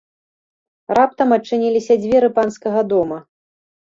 Раптам адчыніліся дзверы панскага дома.